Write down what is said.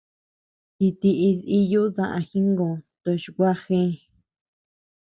Jitií diiyu daá jingö toch gua jee.